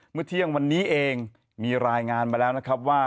เมื่อเที่ยงวันนี้เองมีรายงานมาแล้วนะครับว่า